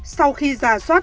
sau khi ra soát